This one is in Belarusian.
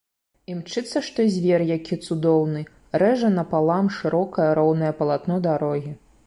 Імчыцца, што звер які цудоўны, рэжа напалам шырокае, роўнае палатно дарогі.